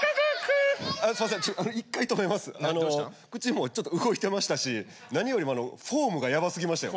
もうちょっと動いてましたし何よりもあのフォームがやばすぎましたよ。